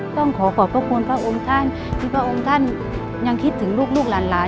ต้องขอขอบพระคุณพระองค์ท่านที่พระองค์ท่านยังคิดถึงลูกหลาน